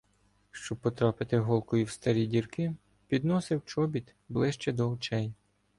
Щоб потрапити голкою в старі дірки, підносив чобіт ближче до очей.